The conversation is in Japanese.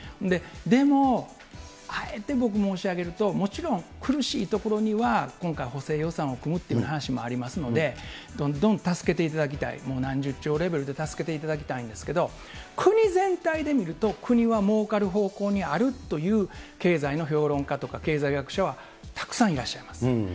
でもあえて僕、申し上げると、もちろん、苦しいところには今回、補正予算を組むっていうふうな話もありますので、どんどん助けていただきたい、もう何十兆レベルで助けていただきたいんですけど、国全体で見ると、国は儲かる方向にあるという、経済の評論家とか、経済学者はたくさんいらっしゃいます。